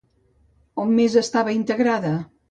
On més estava integrada?